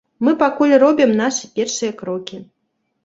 Мы пакуль робім нашы першыя крокі.